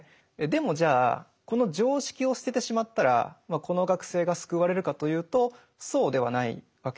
でもじゃあこの常識を捨ててしまったらこの学生が救われるかというとそうではないわけです。